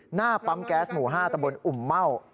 หน้าปั๊มแก๊สหมู่๕ตะบนอุ่มเม่า